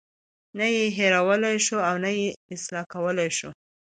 نه یې هیرولای شو او نه یې اصلاح کولی شو.